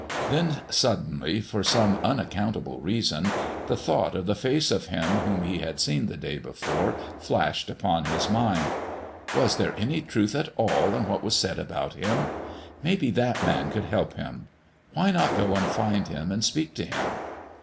Then suddenly, for some unaccountable reason, the thought of the face of Him whom he had seen the day before flashed upon his mind. Was there any truth at all in what was said about Him? Maybe that Man could help him. Why not go and find Him and speak to Him?